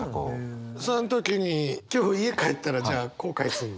その時に今日家帰ったらじゃあ後悔すんの？